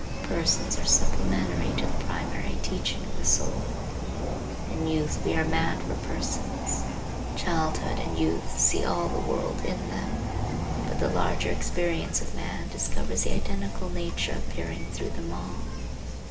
Persons are supplementary to the primary teaching of the soul. In youth we are mad for persons. Childhood and youth see all the world in them. But the larger experience of man discovers the identical nature appearing through them all.